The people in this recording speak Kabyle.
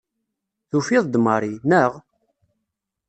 Tufiḍ-d Mary, naɣ?